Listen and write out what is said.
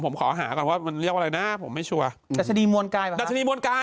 ผมขอหาก่อนว่ามันเรียกว่าอะไรนะผมไม่ชัวร์ดัชนีมวลกายแบบดัชนีมวลกาย